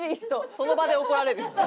その場で怒られる。